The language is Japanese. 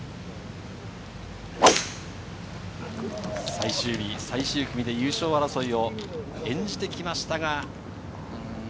最終日・最終組で優勝争いを演じてきました。